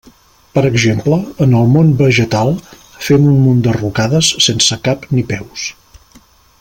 Per exemple, en el món vegetal fem un munt de rucades sense cap ni peus.